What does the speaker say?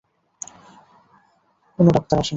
কোনো ডাক্তার আসেনি।